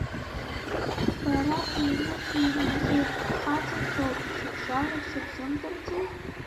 Бара, быҩны быҩнанҵәеит, бхаҵа соуп, сыбжьалагь сыбзым-дырӡеи?!